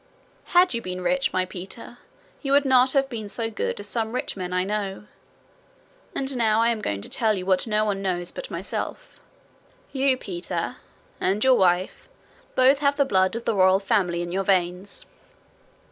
Had you been rich, my Peter, you would not have been so good as some rich men I know. And now I am going to tell you what no one knows but myself: you, Peter, and your wife both have the blood of the royal family in your veins.